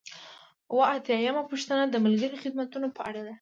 اووه اتیا یمه پوښتنه د ملکي خدمتونو په اړه ده.